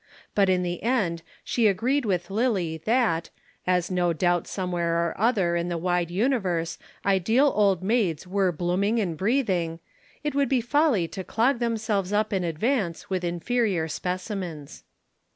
But in the end she agreed with Lillie that, as no doubt somewhere or other in the wide universe ideal Old Maids were blooming and breathing, it would be folly to clog themselves up in advance with inferior specimens.